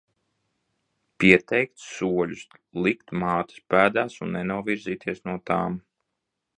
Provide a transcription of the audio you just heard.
Pieteikts, soļus likt mātes pēdās un nenovirzīties no tām.